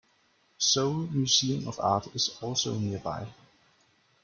Seoul Museum of Art is also nearby.